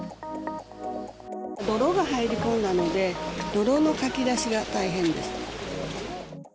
泥が入り込んだので、泥のかき出しが大変です。